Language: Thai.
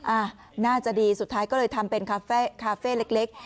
อ่ะน่าจะดีสุดท้ายก็เลยทำเป็นคาเฟ่คาเฟ่เล็ก